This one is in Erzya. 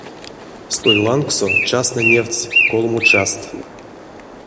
Столь лангсо частнэ невтсть колмо част.